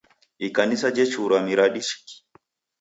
Ikanisa jechura miradi chiki.